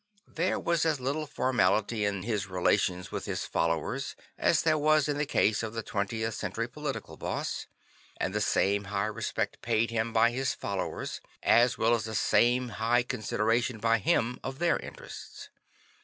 There was as little formality in his relations with his followers as there was in the case of the 20th Century political boss, and the same high respect paid him by his followers as well as the same high consideration by him of their interests.